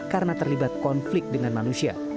karena terlibat konflik dengan manusia